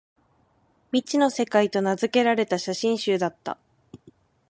「未知の世界」と名づけられた写真集だった